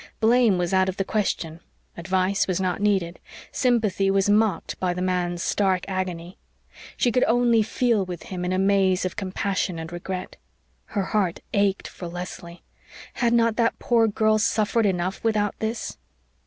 Blame was out of the question advice was not needed sympathy was mocked by the man's stark agony. She could only feel with him in a maze of compassion and regret. Her heart ached for Leslie! Had not that poor girl suffered enough without this?